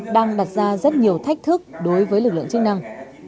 đang đặt ra rất nhiều thách thức đối với lực lượng chức năng